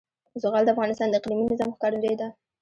زغال د افغانستان د اقلیمي نظام ښکارندوی ده.